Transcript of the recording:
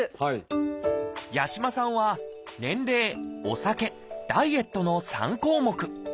八嶋さんは「年齢」「お酒」「ダイエット」の３項目。